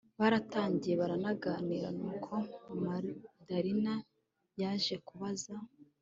Baratangiye baraganira nuko Madalina yaje kubaza